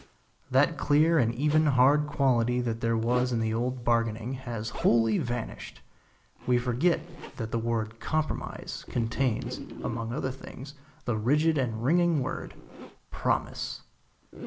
That clear and even hard quality that there was in the old bargaining has wholly vanished. We forget that the word "compromise" contains, among other things, the rigid and ringing word "promise."